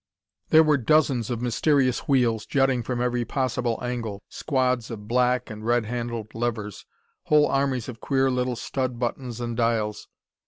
There were dozens of mysterious wheels, jutting from every possible angle, squads of black and red handled levers, whole armies of queer little stud buttons and dials.